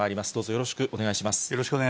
よろしくお願いします。